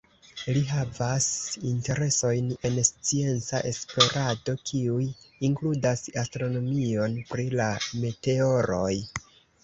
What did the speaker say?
Li havas interesojn en scienca esplorado, kiuj inkludas astronomion pri la meteoroj.